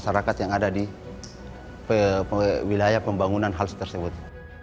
masyarakat yang ada di wilayah pembangunan hal tersebut